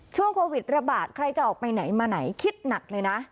ช่วงโควิดระบาดใครจะออกไปไหนมาไหนคิดหนักเลยนะ